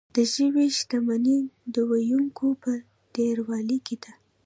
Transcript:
د ژبې شتمني د ویونکو په ډیروالي کې ده.